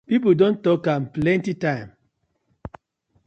Pipu don tok am plenty time.